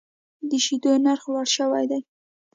د شیدو نرخ لوړ شوی دی.